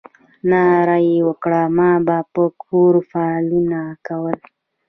ناره یې وکړه ما به په کور فالونه کول.